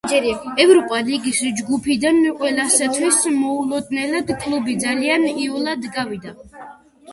ევროპა ლიგის ჯგუფიდან, ყველასათვის მოულოდნელად, კლუბი ძალიან იოლად გავიდა.